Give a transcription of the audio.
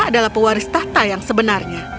adalah pewaris tahta yang sebenarnya